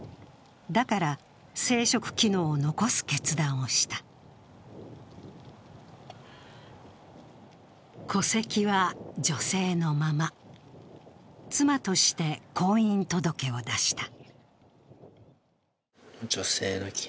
だから、生殖機能を残す決断をした戸籍は女性のまま、妻として婚姻届を出した。